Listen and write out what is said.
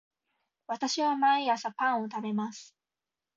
私は毎朝パンを食べます